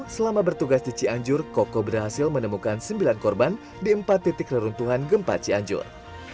selama bertugas di cianjur koko berhasil menemukan sembilan korban di empat titik reruntuhan gempa cianjur